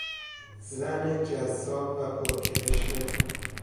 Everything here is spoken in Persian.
زن جذاب و پرکرشمه